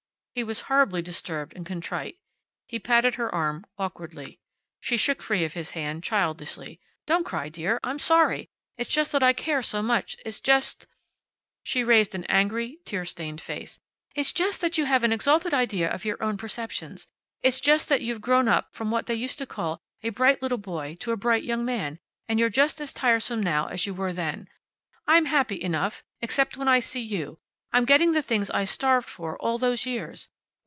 He was horribly disturbed and contrite. He patted her arm, awkwardly. She shook free of his hand, childishly. "Don't cry, dear. I'm sorry. It's just that I care so much. It's just " She raised an angry, tear stained face. "It's just that you have an exalted idea of your own perceptions. It's just that you've grown up from what they used to call a bright little boy to a bright young man, and you're just as tiresome now as you were then. I'm happy enough, except when I see you. I'm getting the things I starved for all those years.